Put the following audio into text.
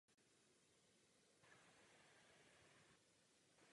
Některé německé jednotky pokračovaly dál v boji.